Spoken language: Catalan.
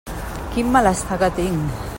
Quin malestar que tinc!